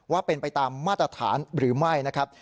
ว่าเป็นไปตามมาตรฐานหรือไม่นะครับ